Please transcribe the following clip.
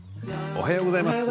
おはようございます。